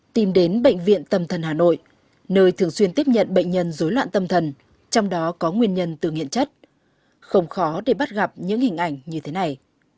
tìm đến bệnh viện tâm thần hà nội nơi thường xuyên tiếp nhận bệnh nhân dối loạn tâm thần trong đó có nguyên nhân từ nghiện chất không khó để bắt gặp những hình ảnh như thế này